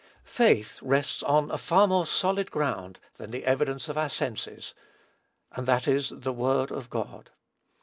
Faith rests on a far more solid ground than the evidence of our senses, and that is the word of God.